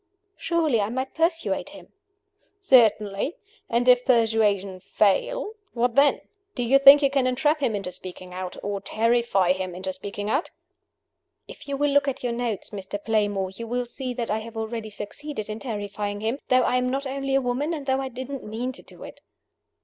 "Surely I might persuade him?" "Certainly. And if persuasion fail what then? Do you think you can entrap him into speaking out? or terrify him into speaking out?" "If you will look at your notes, Mr. Playmore, you will see that I have already succeeded in terrifying him though I am only a woman and though I didn't mean to do it."